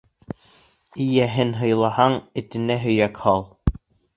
Эйәһен һыйлаһаң, этенә һөйәк һал.